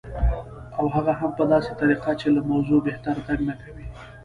او هغه هم په داسې طریقه چې له موضوع بهر تګ نه کوي